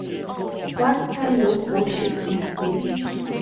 What kind of worship is this?